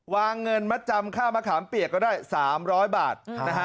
วางเงินมัดจำค่ามะขามเปียกก็ได้๓๐๐บาท